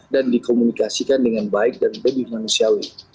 dan dikomunikasikan dengan baik dan lebih manusiawi